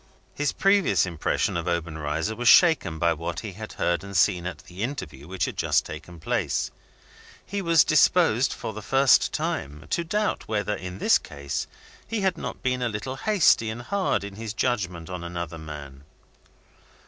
His previous impression of Obenreizer was shaken by what he had heard and seen at the interview which had just taken place. He was disposed, for the first time, to doubt whether, in this case, he had not been a little hasty and hard in his judgment on another man.